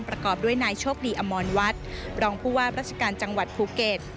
ประกอบด้วยนายโชคดีอมรวัฒน์รองผู้ว่าราชการจังหวัดภูเก็ต